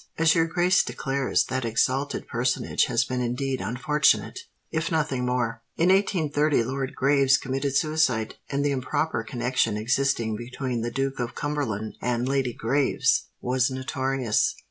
"As your grace declares, that exalted personage has been indeed unfortunate—if nothing more. In 1830 Lord Graves committed suicide; and the improper connexion existing between the Duke of Cumberland and Lady Graves was notorious."